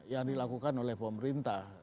yang dilakukan oleh pemerintah